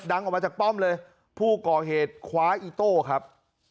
ออกมาจากป้อมเลยผู้ก่อเหตุคว้าอีโต้ครับ